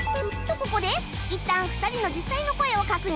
ここでいったん２人の実際の声を確認